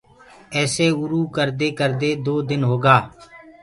ايسي اُروُ ڪردي ڪردي دو دن هوگآ۔